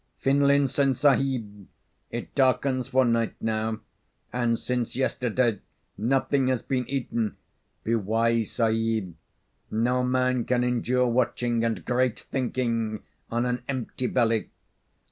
Finlinson Sahib, it darkens for night now, and since yesterday nothing has been eaten. Be wise, Sahib. No man can endure watching and great thinking on an empty belly.